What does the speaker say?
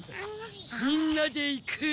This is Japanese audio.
みんなで行く。